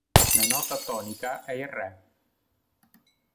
La nota tonica è il Re.